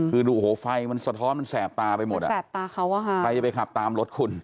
คือดูโหไฟมันสะท้อนมันแสบตาไปหมดอะใครจะไปขับตามรถคุณ